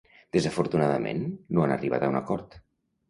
Desafortunadament, no han arribat a un acord.